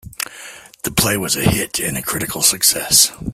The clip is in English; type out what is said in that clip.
The play was a hit and a critical success.